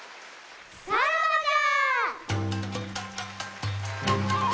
さらばじゃ！